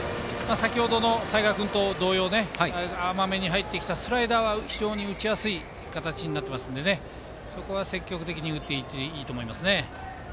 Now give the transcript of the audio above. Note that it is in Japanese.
先程の齊賀君と同様甘めに入ったスライダーは非常に打ちやすい形になっているのでそこは積極的に打っていっていいと思いますね。